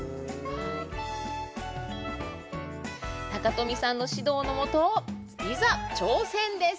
臣さんの指導のもといざ挑戦です